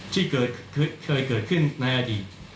ที่เคยเกิดขึ้นในอดีต